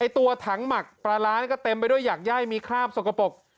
ตัวถังหมักปลาร้าก็เต็มไปด้วยอยากไย่มีคราบสกปรก